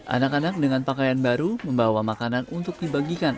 anak anak dengan pakaian baru membawa makanan untuk dibagikan